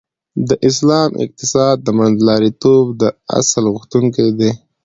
د اسلام اقتصاد د منځلاریتوب د اصل غوښتونکی دی .